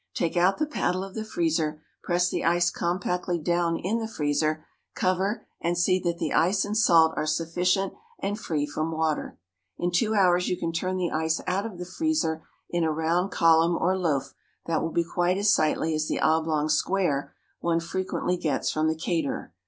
Take out the paddle of the freezer, press the ice compactly down in the freezer, cover, and see that the ice and salt are sufficient and free from water. In two hours you can turn the ice out of the freezer in a round column or loaf that will be quite as sightly as the oblong square one frequently gets from the caterer.